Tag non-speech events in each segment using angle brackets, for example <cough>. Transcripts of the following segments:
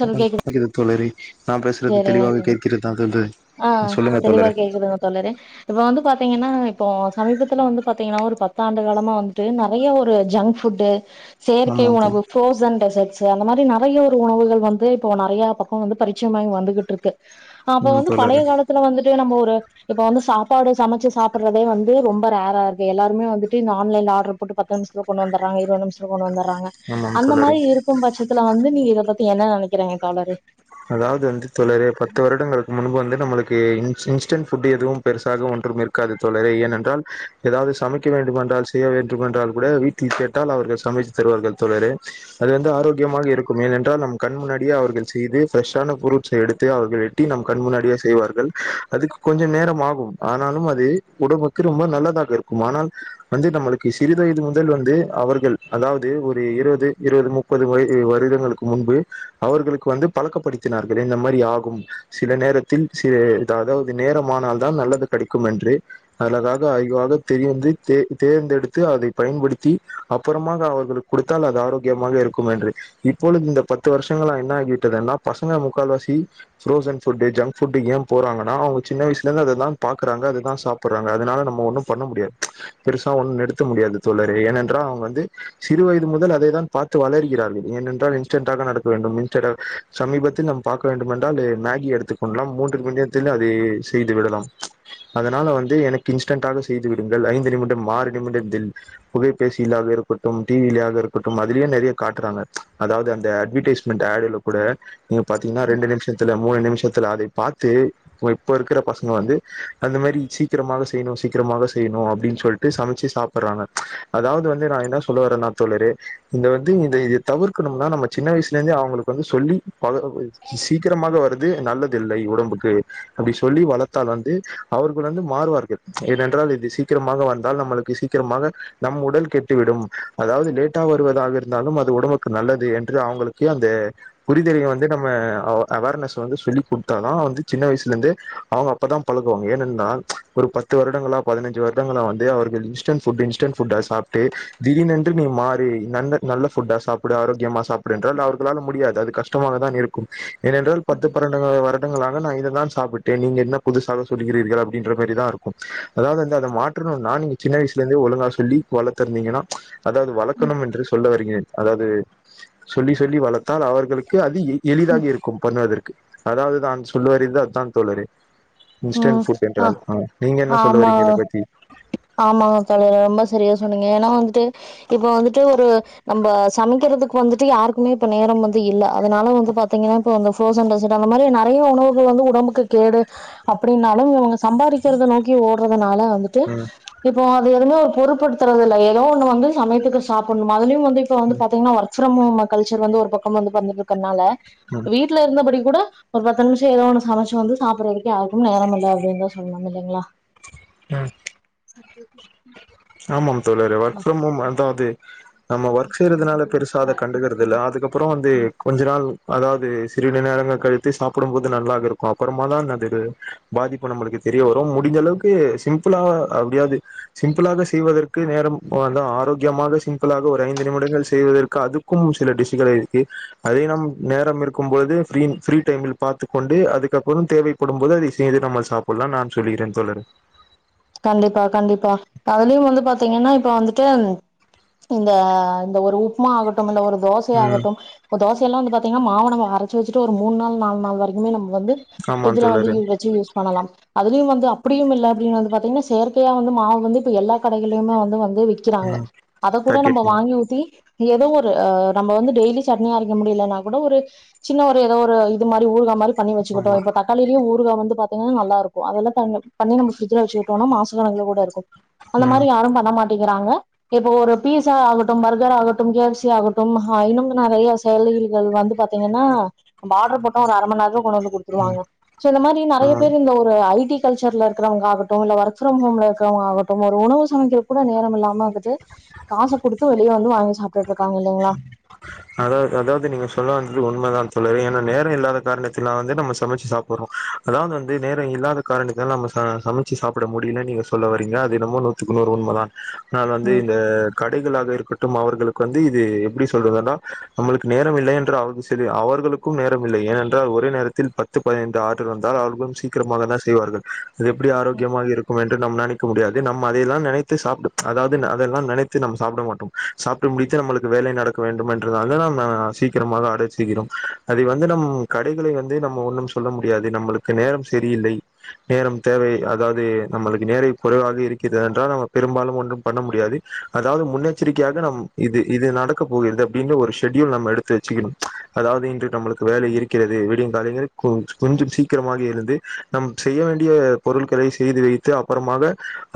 சொல் கேக்குது து தோழறே நா பேசுறது சேரிங்க தெளிவாக தோழி கேக்கிறதா தா ந்த ஆ தெளிவா கேக்குதுங்க தோழறே இப்ப வந்து பா பாத்தீங்கன்னா இப்போ சமீபத்துல வந்து பாத்தீங்கன்னா ஒரு பத்தாண்டு காலமா வந்துட்டு நிறைய ஒரு ஜங்க் ஃபுட்டு் செயற்கை ஆமா தோழி உணவு ஃப்ரோசன்டெசர்ட் அந்த மாதிரி நிறைய ஒரு உணவுகள் வந்து இப்போ நிறைய பக்கம் வந்து பரிச்சயமாயி வந்துகிட்டு இருக்கு அப்ப ம் வந்து பழைய தோழரே காலத்துல வந்துட்டு நம்ம ஒரு இப்ப வந்து சாப்பாடு சமைச்சு சாப்பிடுறதே வந்து ரொம்ப ரர் ரா இருக்கு எல்லாருமே வந்துட்டு ஆன்லைன்ல ஆர்டர் போட்டு பா த்து நிமித்துல கொண்டு வந்துறங்க இருநிமிஷதுல கொண்டு வந்தறாங் ஆமாம் அந்த தோழரே மாதிரி இருக்கு பட்சத்துல வந்து நீங்க இத பத்தி என்ன நினைக்கிறீங்க தோழரே அதாவது வந்து தோழரே பத்து வருடங்களுக்கு முன்பு வந்து நம்மளுக்கு இன்ஸ்டன்ட் புட் எதுவு பெருசாக ஒன்றும் இருக்காது தோழரே ஏனென்றா ஏதாவது சமைக்க வேண்ட டும் என்றால் செய்ய வேண்டும் என்றால் கூட வீட்டில் கேட்டால் அவர்கள் சமைத்து தருவார்கள் தோழரே அது வந்து ஆரோக்கியமான இருக்கு ஏனென்றால் நம் கண் முன்னாடியே அவர்கள் செய்து ஃபிரெஷ் ஆன புரூட்ஸ்ஸை எடுத்து அவர்கள் வெட்டி நம் கண் முன்னாடியா செய்வார்கள் அதுக்கு கொஞ்சம் நேரம் ஆகும் ஆனா அது உடம்புக்கு ரொம்ப நல்லதாக இருக்கு ஆனால் வந்து நம்மளுக்கு சிறி வயது முதல் வந்து அவர்கள் அதாவது ஒரு இருபது இருபது முப்பது வருடங்களுக்கு முன்பு அவர்களுக்கு வந்து பழக்கப்படுத்தினார்கள் இந்த மாதிரி ஆகும் சில நேரத்தில் அதாவது நேரமானால் தா நல்லது கிடைக்கு என்று அகாக ஆயவாக தெரியந்து தேர்ந்தெடுத்து அதைப் பயன்படுத்தி அப்புறமாக அவர்களுக்கு கொடுத்தால் அது ஆரோக்கியமாக இருக்கு என்று இப்பொழுது இந்த பத்து வருஷங்கள என்ன ஆகி விட்டஎன்ன பசங்க முக்கால்வாசி புரோசன் ஃபுட் ஜங்க் ஃபுட் ஏ போறாங்கனா அவங்க சின்ன வயசுல இருந்து அததா பாக்குறாங்க அதுதா சாப்பிடுறாங்க அதனால நம்ம ஒண்ணு பண்ண முடியாது பெருசா ஒன்னு நிறுத்த முடியாது தோழரே ஏனென்றா வந்து சிறு வயது முதல் அதைதா பார்த்து வளர்கிறார்கள் ஏனென்றால் இன்ஸ்டன்டாக நடக்க வேண்டும் இன்ஸ சமீபத்தில் நம் பாக்க வேண்டும் என்றால் மேகி எடுத்துக்க கொல்லலா மூன்று நிமிடத்தில் அத செய்து விடலா அதனால வந்து எனக்கு இன்ஸ்டன்டாக செய்து விடுங்கள் ஐந்து நிமிடம் ஆறு நிமிடத்தில் புகைபேசியலாக இருக்கட்டும் டிவில இருக்கட்டு அதுலையே நிறைய காட்டுறாங்க அதாவது அந்த அட்வர்டைஸ்மெண்ட் அட் கூட நீங்க பாத்தீங்கன்னா ரெண்டு நிமிஷத்துல மூணு நிமிஷ வித்து அதை பார்த்து இப்ப இருக்கிற பசங்க வந்து அந்த மாதிரி சீக்கிரமாக செய்யணு சீக்கிரமாக செய் அப்படின்னு சொல்லிட்டு சமைச்சு சாப்பிடுறாங்க அதாவது வந்து நா என்ன சொல்ல வரன்னா தோழரே இத வந்து இத தவிர்க்கனுனா நம்ம சின்ன வயசுலிருந்தே வந்து சொல்லி பழகனு சீக்கிரமாக வருது நல்லது இல்லை உடம்புக்கு அப்படி சொல்லி வளர்த்தால் வந்து அவர்கள் வந்து மாறுவார்கள் ஏனென்றால் இது சீக்கிரமாக வந்தால் நம்மளுக் சீக்கிரமாக நம் உடல் கெட்டுவிடும் அதாவது லேட்டாக வருவதாக இருந்தாலும் அது உடம்புக்கு நல்லது என் அவங்களுக்கு அந்த புரிதல் வந்து நம்ம அவ அவர்னஸ் வந்து சொல்லிக கொடுத்ததா வந்து சின்ன வயசுல இருந்து அவங்க அப்பதா பழகுவங்க என்னன்னா ஒரு பத்து வருடங்கள பதினைஞ்சு வருடங்கள வந்து அவர்கள் இன்ஸ்டன்ட் ஃபுட் இன்ஸ்டன்ட் ஃபுட் சாப் சாப்புட்டு திடீரென்று நீ மாறி ந நல்ல ஃபுட்டா சாப்படு ஆரோக்கியமா சாப்பிடு என்றால் அவர்களால முடியாது அது கஷ்டமாக தா இருக்கு ஏனென்றால் பத்து பன்ரண்டு வருடங்களாக நா இத தான் சாப்பிட்டேன் நீங்க என்ன புதுசா சொல்லுகிறீர்கள் அப்படியின்ற மாரி தா இருக்கும் அதாவது வந்து அத மாற் ரும் நா சின்ன வயசுலே இருந்தே ஒழுங்கா சொல்லி வளர்த்தருந்தீங்கன்னா அதாவது வளக்கணு என்று சொல்ல வருகிறேன் அதாவது சொல்லி சொல்லி வளர்த்தால் அவர்களுக்கு அது எளிதாக இருக்கும் பண்வதற் அதாவது தான் சொல்ல வரது அதுதா தோழரே இன்ஸ்டன்ட் ம் ஃபுட் ஆ என்றால் நீங்க என்ன சொல்ல வரீங்க ஆமா இத பத்தி ஆமாங்க தோழரே ரொம்ப சரியா சொன்னிங்க ஏன்னா வந்துட்டு இப்ப வந்துட்டு ஒரு நம்ம சமைக்கிறதுக்கு வந்துட்டு யாருக்குமே இப்ப நேரம் வந்து இல்ல அதனால வந்து பாத்தீங்கன்னா இப்போ அந்த ஃப்ரோசன் டெசெர்ட் அந்த மாதிரி நிறைய உணவுகள் வந்து உடம்புக்கு கேடு அப்படின்னாலு இவங்க சம்பாதிக்கிறத நோக்கி ஓடுறதுனால வந்துட்டு ம் இப்போ அது எதுவுமே ஒரு பொறுப்படுத்துறது இல்ல ஏதோ ஒன்னு வந்து சமயத்துக்கு சாப்பிடணு அதிலு வந்து இப்ப வந்து பாத்தீங்கன்னா work from home culture வந்து ஒரு பக்கம் வந்து பண்ணிக்கிட்டு இருக்கனால ம் வீட்டுல இருந்தபடி கூட ஒரு பத்து நிமிஷம் ஏதோ ஒண்ணு சமைச்சு வந்து சாப்பிடுறதுக்கு யாருக்கு நேரம் இல்ல அப்படின்னுதா சொல்லனு இல்லைங்களா அ <inaudible> ஆமா தோழரே ஓர்க் ஃப்ரம் ஹோம் அதாவ்து நம்ம ஒர்க் செய்றதுனால பெருசா அத ஆ கண்டுக்கறது இல்ல அதுக்கப்புறோ வந்து கொஞ்ச நாள் அதாவ்து சிறிது நேரங்கள் கழித்து சாப்பிடும் போது நல்லாக இருக்கு அப்பறமா தான் அதுது பாதிப்பு நம்மளுக்கு தெரிய வரும் முடிஞ்ச அளவுக்கு சிம்ப்ளா அப்டியாது சிம்ப்ளாக செ ய்வதற்கு நேரம் வாண்டா ஆரோக்கியமாக சிம்ப்ளாக ஒரு ஐந்து நிமிடங்கள் செய்வதற்கு அதுக்கும் சில டிஷ்சுக ளிருக்கு அதே நம் நேரம் இருக்கும்போது ஃபீரீன் ஃப்ரீ டைமில் பாத்துக் கொண்டு அதுக்கப்புறோ தேவைப்படு ம் போது அதை செய்து நம்மள் சாப்பல்லா நான் சொல்லுகிறேன் தோழரே கண்டிப்பா கண்டிப்பா அதுலியு வந்து பாத்தீங்கன்னா இப்போ வந்துட்டு இந்த இந்த ஒரு உப்மா ஆகட்டும் இல்ல ஒரு தோசை ம் ஆகட்டும் இப்ப தோசையெல்லா வந்து பாத்தீங்கனா மாவ நம்ம அரைச்சு வெச்சுட்டு ஒரு மூண் நாள் நால் நாள் வரைக்குமே நம் வந்து ஆமா ஃபிரிட்ஜ்ல தோழரே வந்துயு வெச்சு யூஸ் பண்ணலாம் அதுலியு வந்து அப்புடியும் இல்ல அப்டின் வந்து பா த்திங்ன்னா செயற்கையா வந்து மாவு வந்து இப்ப எல்லா கடைகள்லியுமே வந்து வ ந்து விக்கிறாங்க ம் அத கூட பாக்கெட் நம்ப மாவு வாங்கி ஊத்தி எதோ ஒரு அ நம்ப வந்து டெய்லி சட்னி அரைக்க முடிலன்னா கூட ஒரு சின்ன ஒரு எதோ ஒரு இது மாரி ஊறுகா மாரி பண்ணி வெச்சுகிட்டோ ஆமா இப்ப தக்காளிலியே ஊறுகா வந்து பாத்திங்னா நல்லாருக்கு அதல்லா தண் பண்ணி நம்ப ஃபிரிட்ஜ்ல வெச்சுகிட் டோனா மாச கணக்குல கூட இருக்கும் அந்த மாரி ம் யாரும் பண்ண மா ட்டிங்கிறாங்க இப்ப ஒரு ஃபீஸா ஆகட்டும் பர்கர் ஆகட்டும் கே எஃப் சி ஆகட்டும் ஹ இன்னும் நறைய செயலி கள் வந்து பாத்தீங்கன்னா நம்ப ஆட்ரு போட்டோ ஒரு அரை மண் நேர கொண் வந்து ம் குடுத்துருவாங்க சோ இந்த மாரி நறைய ஆமா பேரு இந்த ஒரு ஐ டி கல்ச்சர்ல இருக்கறவங்க ஆக ட்டு இல்ல ஒர்க் ஃப்ரம் ஹோம்ல இருக்கறவங்க ஆகட்டும் ஒரு உணவு சமைக்கிறக் கூட நேரம் இல்லாமக்குது காச குடுத்து வெளிய வந்து வாங்கி சாப் அதாவ் அதாவது நீங்க சொல்ல வந்தது உண்மதா தோழரே ஏன்னா நேரோ இல்லாத காரணத்தினா வந்து நம்ம சமைச்சி சாப்பட்றோ அதாவது வந்து நேரோ இல்லாத காரணத்தினால் நம்ம ஆ சமைச்சி சாப்பிட முடிலன் நீங்க சொல்ல வரீங்க அது என்னமோ நூத்துக்குறூறு உண்மதா ஆ வந்து ம் இந்த கடைகளாக இருக்கட்டும் அவர்களு க்கு வந்து இது எப்டி சொல்றதுன்னா நம்மளுக்கு நேரம் இல்லைன்ற <unintelligible> அவர்களுக்கும் நேரம் இல்லை ஏனென்றால் ஒரே நேரத்தில் பத்து பதினைந்து ஆட்ரு வந்தால் அவர்களும் சீக்கிரமாகதா செய்வார்கள் அது எப்டி ஆரோக்கியமாக இருக்கும் என்று நம் நெனைக்க முடியாது நம் அதை எல்லா நெனைத்து சாப்டு அதாவ்து ந அதெல்லா நெனைத்து நம் சாப்ட மாட்டோம் சா ப்ட்டு முடித்து நம்மளுக்கு வேலை நடக்க வேண்டும் என்றனால்தா நம்ம சீக்கிரமாக ஆடர் செய்கிறோம் அதை வந்து நம் க கடைகளை வந்து நம்ம ஒன்னும் சொல்ல முடியாது நம்மளுக்கு நேரம் செரியில்லை நேரம் தேவை அதாது நம்மளுக்கு நேர குறைவாக இருக்கிது என்றால் நம்ம பெரும்பாலும் ஒன்றும் பண்ண முடியாது அதாவ்து முன்னெச்சரிக்கையாக நம் இது இது நடக்க போகிற்து அப்டின்ற ஒரு ஷெட்யூல் நம்ம எடுத்து வெச்சுகிணும் அதாவ்து இன்று நம்மளுக்கு வேலை இருக்கிறது விடிங் <unintelligible> கொஞ் கொஞ்சும் சீக்கிரமாக எழுந்து நம் செய்ய வேண்டிய பொருள்களை செய்து வைத்து அப்பறமா ஆக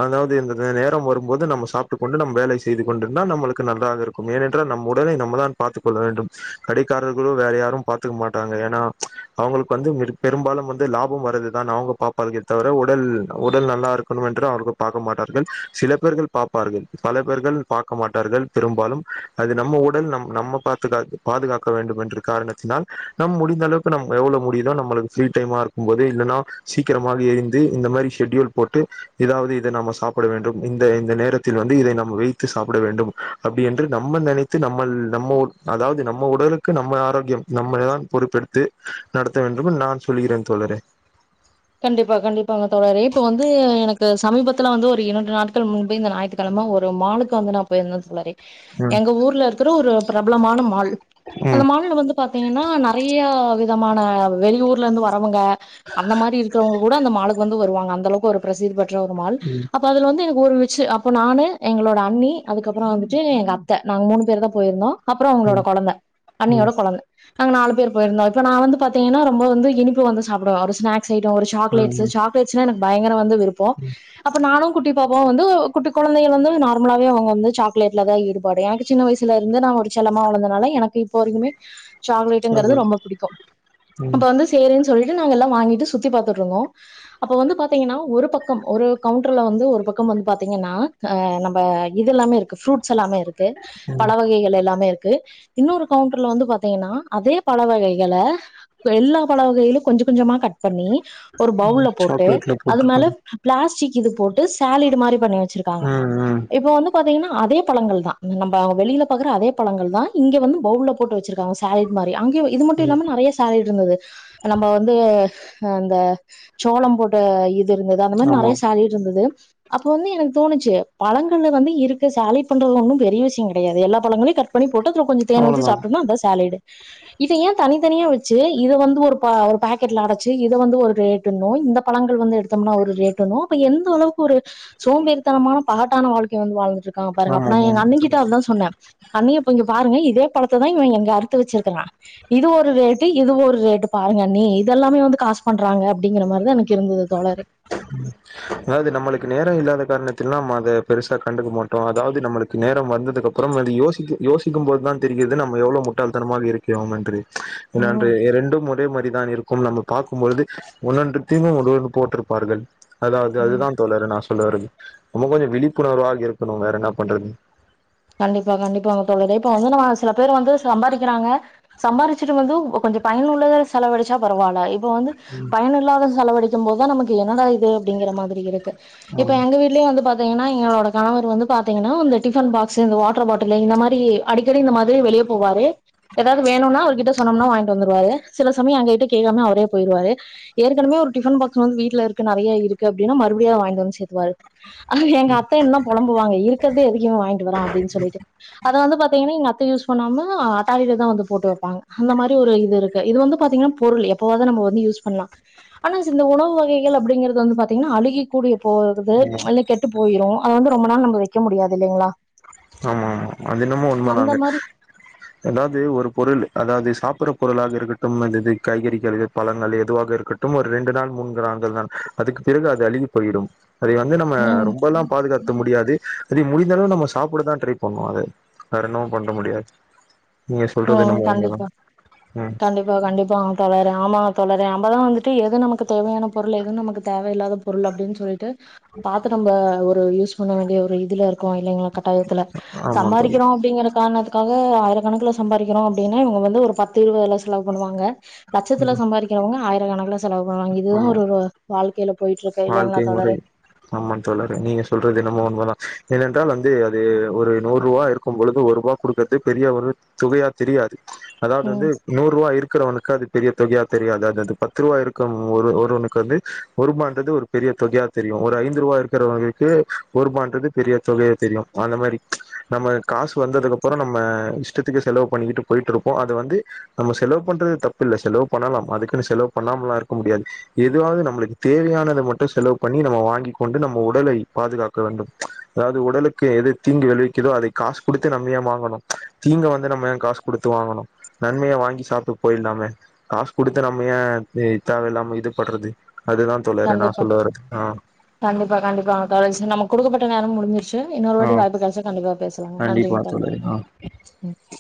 அதாவது இந்திந்த நேரம் வரும்போது நம்ம சாப்ட்டு கொண்டு நம் வேலை செய்து கொண்டிருந்தா நம்மளுக் க்கு நன்றா இருக்கும் ஏனென்றால் நம் உடலை நம்ப தா பார்த்த்து கொள்ள வேண்டும் கடைக்காரர்கலோ வேற யாரும் பார்த்துக்க மாட்டாங்க ஏன்னா அவுங்களுக்கு வந்து மெடு பெரும்பாலும் வந்து லாபம் வரர்துதான் அவுங்க பாப்பார்களே தவிர உடல் உட ல் நல்லா இருக்கணு என்று அவர்கள் பார்க்க மாட்டார்கள் சில பேர்கள் பாப்பார்கள் பல பேர்கள் பாக்க மாட்டார்கள் பெரும்பாலும் அது நம்ம உடல் நம் நம்ம பாத்துக பாதுகாக்க வேண்டும் என்ற காரணத்தினால் நம் முடி ந்தளவுக்கு நம் எவ்ளோ முடிதோ நம்மளுக்கு ஃப்ரீ டைம இருக்கும் போது இல்லன்னா சீக்கிரமாக இருந்து இந்த மாரி ஷடியூல் போட்டு எதவுது இத நம்ம சாப்பிட வேண்டும் இந்த இந்த நேரத்தில் வந்து இதை நம் வைத்து சாப்பிட வேண்டும் அப்டி என்று நம்ம நினைத்து நம்மல் நம்ம அதாவது நம்ம உடலுக்கு நம்ம ஆரோக்கியம் நம்ம தான் பொறுப்பு எடுத்து நடத்த வேண்டும் நான் சொல்லுகிறேன் தோழறே <inaudible> கண்டிப்பா கண்டிப்பாங்க தோழரே இப்ப வந்து எனக்கு சமீபத்துல வந்து ஒரு இரண்டு நாட்கள் முன்பே இந்த ஞாயித்துக்கிழம ஒரு மாலுக்கு வந்து நா போயிருந்த தோழரே ம் எங்க ஊர்ல இருக்குற ஒரு பிரபலமான மால் அந்த ம் மால்ல வந்து பாத் த்தீங்கன்னா நறைய விதமான வெளியூர்ல இருந்து வரவங்க அந்த மாரி இருக் கூட அந்த மாளுகு வந்து வருவாங்க அந்த அளவுக்கு ஒரு பிரசித்தி பெற்ற ஒரு மாள் ம் அப்ப அதுல வந்து எனக்கு ஒரு வி சி அப்ப நானு எங்களோட அண்ணி அதுக்கப்புற வந்துட்டு எங்க அத்தை நாங்க மூணு பேர் தா போயிருந்தோ அப்புற அவுங்களோட ம் குழந்த ம் அண்ணியோட குழந்த நாங்க நாலு பேர் போயிருந்தா இப்ப நா வந்து பாத்தீங்கன்ன ரொம்ப வந்து இனிப்பு வந்து சாப்புடுவே ஒரு ஸ்னாக்ஸ் டோ ஒரு சாக்லேட்ஸு ம் ம் சாக்லேட்ஸ்னா எனக்கு பயங்கர வந்து விருப்போ ம் அப்ப நானும் குட்டி பாப்பா வந்து குட்டி கொழந்தைங்க வந்து நார்மலாவே அவங்க வந்து சாக்லேட்ல தா ஈடுபாடு எனக்கு சின்ன வயசுலர்ந்து நா ஒரு செல்லமா வளந்தனால எனக்கு இப்ப வரைக்குமே சாக்லேட்டுங்கறது சாக்லேட் ரொம்ப புடிக்கூ அப்ப ம் வந்து சேரின் சொல்லிட்டு நாங்கெல்லா வாங்கிட்டு சுத் சுத்தி பாத்துட்டு இருந்தோ அப்ப வந்து பாத்தீங்கன்னா ஒரு பக்கம் ஒரு கவுண்ட்ருல வந்து ஒரு பக்கம் வந்து பாத்தீங்கன்னா ஆ நம்ப இதுல்லாமே இருக்கு ப்ரூட்ஸ் எல்லாமே இருக்கு பழ ம் வகைகள் எல்லாமே இருக் க்கு இன்னொரு கவுண்ட்ருல வந்து பாத்தீங்கன்னா அதே பல வகைகள எல்லா பல வகையிலும் கொஞ்ச கொஞ்சமா கட் பண்ணி ஒரு பவுல்ல போட்டு சாக்லேட்ல அது மேல போட்ருக்காங்க பிளாஸ்டிக் இது போட்டு சாலிடு மாரி பண்ணி வச் சிருக்காங்க ம் ம் இப்ப வந்து பாத்தீங்கன்னா அதே பழங்கள் தா நம்ப வெளில பாக்ற அதே பழங்கள் தா இங்க வந்து பவுல்ல போட்டு வச்சிருக்காங்க சாலட் மாரி அங்கயு இது மட்டு ம் இல்லாம நெறய சேலட் இருந்தது நம்ப வந்து அந்த சோளம் போட்ட இது இருந்தது அந்த மாரி ஆமா நிறய சாலீடு இருந்தது அப்ப வந்து எனக்கு தோணுச்சி பழங்கள்ல வந்து இருக்க சாலீட் பண்றது ஒன்னு பெரிய விஷயோ கெடயாது எல்லா பழங்களையு கட் பண்ணி பொட்டத்துல கொஞ்சோ தேன்ஊத்தி அவ்ளோதான் சாப்டோம்னா அதா சேலட் இத ஏ தனித்தனியா வச்சு இத வந்து ஒரு ஒரு பாக்கெட்ல அடைச் வச்சி இத வந்து ஒரு ரேட்டுன்னு இந்த பழங்கள் வந்து எடுத்தோம்னா ஒரு ரேட்டுன்னு அப்ப எந்த அளவுக்கு ஒரு சோம்பேறி த்தரமான பகாட்டான வாழ்கை வந்து வாழ்ந்துட்டு இருக்காங்க பாருங்க அப்டினா நா எங்க அண்ணே ஆமாமாமா கிட்ட அதா சொன்னே அண்ணி இப்ப இங்க பாருங்க இதே பழத்ததா இவே எங்க அறுத்து வச்சிருக்கறா இது ஒரு ரேட்டு இது ஒரு ரேட்டு பாரு அண்ணி இதெல்லாமே வந்து காசு பண்றாங்க அப்டிங்கிற மாரிதா எனக்கு இருந்தது தோழரே அதாவது நம்மளுக்கு நேர இல்லாதக் காரணத்த அத பெருசா கண்டுக்க மாட்டோ அதாவது நம்மளுக்கு நேரம் வந்ததுக்கு அப்புற அத யோசிக் யோசிக்கு போது தா தான் தெரிகிறது நம்ம எவ்வளவு முட்டாள்தனமாக இருக்கிறோம் என்று நன்று ம் ரெண்டும் ஒரே மாரிதான் இருக்கும் நம்ம பாக்கும்பொழுது ஒன்னொன்றுத்தியும் ஒரு ஒரு போட்டிருப்பார்கள் அதாவது ம் அதுதா தோழரு நாசொல்ல வருது நம்ம கொஞ்ச விழிப்புணர்வாக இருக்கணு வேற என்ன பண்றது கண்டிப்பா கண்டிப்பாங்க தோழரே இப்ப வந்து நம்ம சில பேர் வந்து சம்பாரிக்கிறாங்க சம்பாரிச்சுட்டு வந்து ஒ கொஞ்சொ பயனுள்ளதா செலவழிச்சா பரவால இ ப்ப வந்து ம் பயன் இல்லாத செலவழிக்கும் போதுதா நமக்கு என்னடா இது அப்டிங்கற மாதிரி இருக்கு இப்ப ஆமா எங்க வீட்லியு வந்து பாத்தீங்கன்னா எங்களோட கணவர் வந்து பாத்தீங்கன்னா அந்த டிஃபன் பா க்ஸ் இந்த வாட்டர் பாட்டிலு இந்த மாரி அடிக்கடி இந்த மாதிரி வெளிய போவாரு எதாவ்து வேணுன்னா அவருகி ட்ட சொன்னம்னா வாய்ங்ட்டு வந்துவாரு சில சமயோ எங்ககிட்ட கேக்காமே அவுரே போய்ருவாரு ஏற்கெனவே ஒரு டிஃபன் பாக்ஸ் வந்து வீட்ல இருக்கு நறைய இருக்கு அப்டின்னா மறுபுடியு அத வாய்ங்ட் வந் சேத்துவா எங்க அத்தை இன்னு பொலம்புவாங்க இருக்றதே எதுக்கு இவெ வாய்ங்ட் வரா அப்டின் சொல்லிட்டு அத வந்து பாத்தீங்கனா எங்க அத்தை யூஸ் பண்ணாம அட்டாலில தா வந்து போட்டு வெப்பாங்க அந்த மாரி ஒரு இது இருக்கு இது வந்து பாத்திங்னா பொருள் எப்பவாவ்தா நம்ப வந்து யூஸ் பண்லா ஆனா ஸ் இந்த உணவு வகைகள் அப்டிங்கறது வந்து பாத்தீங்ன்னா அழுகி கூடிய போகுது இல்னா கெட்டு போயிரு அத வந்து ரொம்ப நாள் நம்ப வெக்க முடியாது இல்லைங்ளா ஆமா ஆமா அது என்னமோ உண்மை தாங்க மாதிரி அதாவ்து ஒரு பொருளு அதாவ்து சாப்பற பொருளாக இருக்கட்டும் அல்லது காய்கறிகள் இது பழங்கள் எதுவாக இருக்கட்டும் ஒர் ரெண்டு நாள் மூன்கு நாள்கள் தான் அதுக் பிறகு அது அழுகி போயிடும் அதை வந்து நம்ம ம் ரொம்பல்லா பாதுகாத்த முடியாது அதை முடிந்தளவு நம்ம சு சாப்படதா ட்ரை பண்ணு அத வேற என்னமு பண்ட முடியாது நீங்க சொல்றது ம் என்னமோ உண்மதா கண்டிப்பா ம் கண்டிப்பா கண்டிப்பாங்க தோழரே ஆமா தோழரே நம்பதா வந்துட்டு எது நமக்கு தேவையான பொருள் எது நமக்கு தேவ இல்லாத பொருள் அப்டின் சொல்லிட்டு பாத்து நம்ப ஒரு யூஸ் பண்ண வேண்டிய ஒரு இதுல இருக்கோ இல்லைங்ளா கட்டாயத்துல ஆமா தோழி சம்பாரிக்கிறோ அப்டிங்ற காரணத்துக்காக ஆயிரக்கணக்குல செ சம்பாரிக்கிறோ அப்டினா இவுங்க வந்து ஒரு பத்து இருலதுல செலவு பண்ணுவாங்க லட்சத்துல ம் சம்பாரிக்கிறவங்க ஆயிரக்கணக்ல செ செலவு பண்ணுவாங்க இதுதா ஆமா ஒரு வாழ்க்கைல வாழ்க்கை முறை ஆமாங் தோழறே நீங்க சொல்றது என்னமோ உண்மதா ஏனென்றால் வந்து அது ஒரு நூறு ருவா இருக்கும்பொழுது ஒருவா குடுக்கறதே பெரிய ஒரு தொகையா தெரியாது அதாவது வந்து ம் நூறுவா இருக் இருக்றவனுக்கு அது பெரிய தொகையா தெரியாது அது அது பத்து ருவா இருக்கம் ஒரு ஒருவனுக்கு வந்து ஒருபான் றது ஒரு பெரிய தொகையா தெரியு ஒரு ஐந்து ருவா இருக்றவங்களுக்கு ஒருபான்றது பெரிய தொகையா தெரியு அந்த மாரி நம்ம காசு வந்ததுக்கப்பறொ நம்ம இஷ்டத்துக்கு செலவு பண்ணிகிட்டு போயிட்ருப்போ அது வந்து நம்ம செலவு பண்றது தப்பில்ல செலவு பண்ணலாம் அதுக்குனு செலவு பண்ணாம எல்லா இருக்க முடியாது எதுவாது நம்மளுக்கு தேவையான த மட்டு செலவு பண்ணி நம்ம வாங்கி கொண்டு நம்ம உடலை பாதுகாக்க வேண்டும் அதாவது உடலுக்கு எது தீங்கு விளைவிக்கிதோ அதை காசு குடுத்தே நம்ம ஏ வாங்கணு தீங்க வந்து நம்ம ஏ காசு குடுத்து வாங்கணு நன்மைய வாங்கி சா ப்ட்டு போய்டலாமே காசு குடுத்து நம்ம ஏ இ தேவையில்லாம இது படுறது அதுதா தோழரே நா ப்பா சொல்ல வரது ஆ கண்டிப்பா கண்டிப்பா கடைசி நமக் குடுக்கப்பட்ட நேரம் முடிஞ்சிருச் சு இன்னொரு ஆ வாட்டி வாய்ப்பு கெடைச்சா கண்டிப்பா பேசலாங்க நன்றிங்க கண்டிப்பா தோழரே ஆ நன்றி ம்